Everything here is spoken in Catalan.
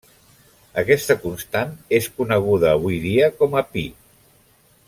Aquesta constant és coneguda avui dia com a pi.